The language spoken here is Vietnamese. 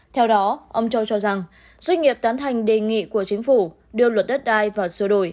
theo đó ông châu cho rằng doanh nghiệp tán thành đề nghị của chính phủ đưa luật đất đai vào sửa đổi